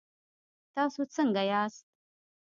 تاسو څنګ ياست؟